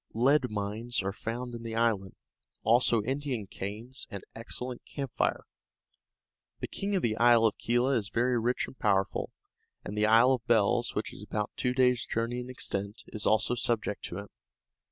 Lead mines are found in the island; also Indian canes and excellent camphire. The king of the Isle of Kela is very rich and powerful, and the Isle of Bells, which is about two days' journey in extent, is also subject to him.